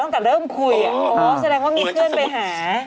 ตั้งแต่เริ่มคุยอ่ะอ๋อแสดงว่ามีเพื่อนไปหา